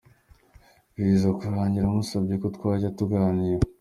Biza kurangira musabye ko twajya tuganira.